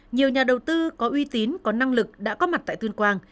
nhiều nhà đầu tư có uy tín có năng lực đã có mặt tại tuyên quang